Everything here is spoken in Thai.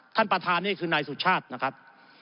ท่านประธานนี่คือนายสุชาตินะครับ